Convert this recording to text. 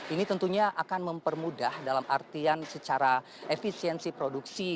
ini tentunya akan mempermudah dalam artian secara efisiensi produksi